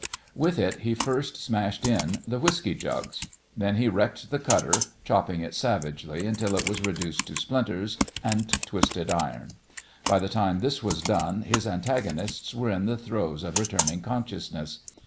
With it he first smashed in the whiskey jugs. Then he wrecked the cutter, chopping it savagely until it was reduced to splinters and twisted iron. By the time this was done, his antagonists were in the throes of returning consciousness.